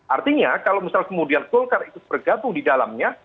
artinya kalau misal kemudian golkar itu bergabung di dalamnya